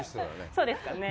そうですかね。